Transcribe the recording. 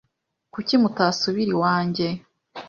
Kuki mutasubira iwanjye?